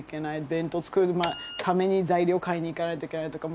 弁当作るために材料買いに行かないといけないとか。